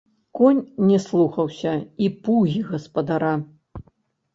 Конь не слухаўся і пугі гаспадара.